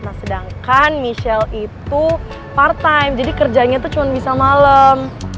nah sedangkan michelle itu part time jadi kerjanya tuh cuma bisa malam